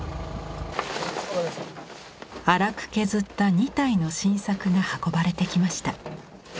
粗く削った２体の新作が運ばれてきました。